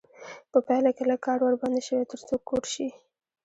په پایله کې لږ کار ورباندې شوی تر څو کوټ شي.